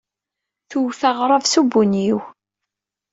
Twet aɣrab s ubunyiw.